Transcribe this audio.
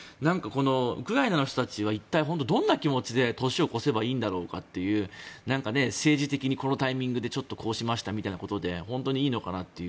ウクライナの人たちは一体、どんな気持ちで年を越せばいいんだろうかという政治的にこのタイミングでちょっとこうしましたみたいなことで本当にいいのかなっていう。